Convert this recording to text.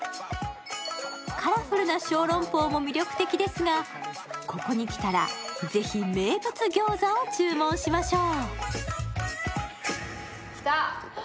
カラフルな小籠包も魅力的ですが、ここに来たら、ぜひ名物餃子を注文しましょう。